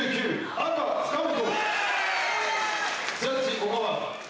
赤塚本！